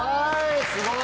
すごい。